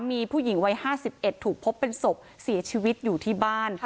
มีผู้หญิงวัย๕๑ถูกพบเป็นศพเสียชีวิตอยู่ที่บ้าน